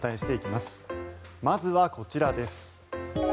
まずはこちらです。